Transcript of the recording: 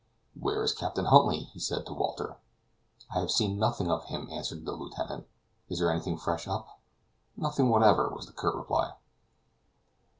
"Where is Captain Huntly?" he said to Walter. "I have seen nothing of him," answered the lieutenant; "is there anything fresh up?" "Nothing whatever," was the curt reply.